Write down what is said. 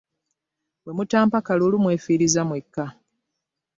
Bwe mutampa kalulu mwefiiriza mwekka.